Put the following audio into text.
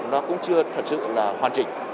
nó cũng chưa thật sự là hoàn chỉnh